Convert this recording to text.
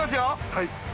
はい。